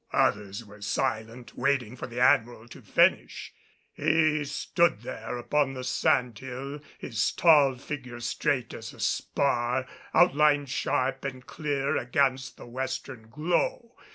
Others were silent, waiting for the Admiral to finish. He stood there upon the sand hill, his tall figure straight as a spar, outlined sharp and clear against the western glow.